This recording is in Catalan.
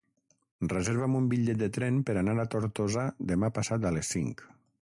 Reserva'm un bitllet de tren per anar a Tortosa demà passat a les cinc.